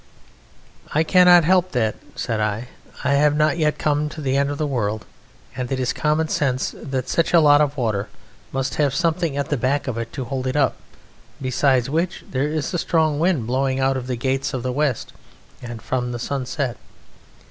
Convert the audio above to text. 'I cannot help that,' said I; 'I have not yet come to the End of the World, and it is common sense that such a lot of water must have something at the back of it to hold it up; besides which there is a strong wind blowing out of the gates of the west and from the sunset.